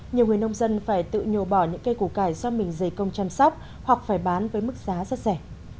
nhiều người nông dân phải tự nhồ bỏ những cây củ cải do mình dày công chăm sóc hoặc phải bán với mức giá rất rẻ